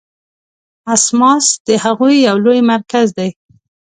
اسماس د هغوی یو لوی مرکز دی.